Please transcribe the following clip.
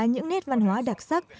những nét văn hóa đặc sắc